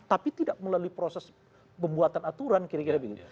tapi tidak melalui proses pembuatan aturan kira kira begitu